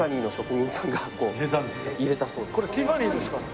これティファニーですか？